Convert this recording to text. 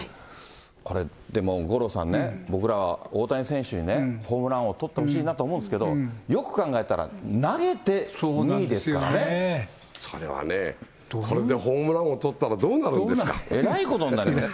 これでも五郎さんね、僕ら大谷選手にね、ホームラン王とってほしいなと思うんですけど、よく考えそれはね、これでホームランえらいことになります。